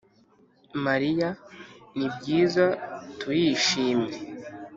mariya: ni byiza, turishimye